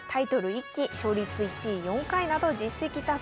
１期勝率１位４回など実績多数。